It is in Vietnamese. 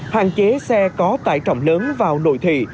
hạn chế xe có tải trọng lớn vào nội thị